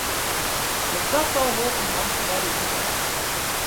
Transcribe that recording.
It tafal holp in hantsje by de ûntdekking.